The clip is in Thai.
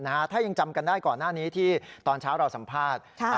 ขึ้นมาจับนะฮะถ้ายังจำกันได้ก่อนหน้านี้ที่ตอนเช้าเราสัมภาษณ์